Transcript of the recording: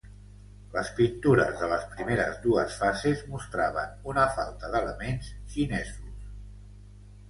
Les pintures de les primeres dues fases mostraven una falta d'elements xinesos.